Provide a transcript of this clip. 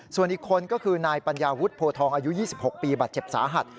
ส่วนอีกคนก็คือนายปัญญาวุฒิโพทองอายุ๒๖ปีบาดเจ็บสาหัส